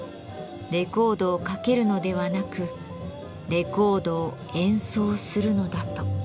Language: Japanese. レコードをかけるのではなくレコードを演奏するのだと。